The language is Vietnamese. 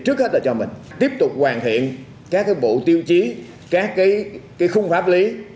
trước hết là cho mình tiếp tục hoàn thiện các bộ tiêu chí các cái khung pháp lý